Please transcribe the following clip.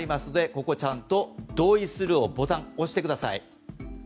ここ、ちゃんと同意するをボタン、押してください。